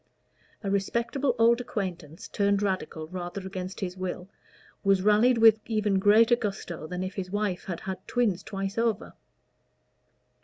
A respectable old acquaintance turned Radical rather against his will, was rallied with even greater gusto than if his wife had had twins twice over.